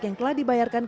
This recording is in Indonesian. yang telah dibayarkan